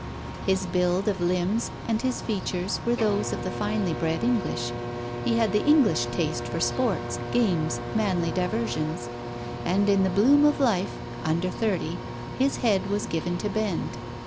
His build of limbs and his features were those of the finely bred English; he had the English taste for sports, games, manly diversions; and in the bloom of life, under thirty, his head was given to bend.